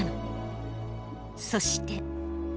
そして。